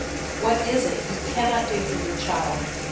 —What is it you cannot do for your child!